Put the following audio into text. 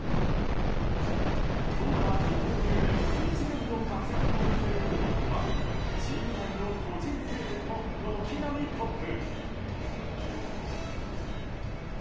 投打二刀流で異次元の活躍を見せる大谷はチーム内の個人成績も軒並みトップ。